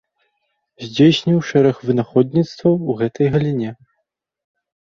Здзейсніў шэраг вынаходніцтваў у гэтай галіне.